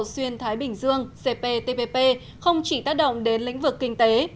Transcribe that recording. xuyên thái bình dương cptpp không chỉ tác động đến lĩnh vực kinh tế